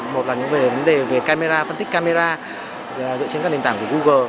một là về vấn đề về camera phân tích camera dựa trên các nền tảng của google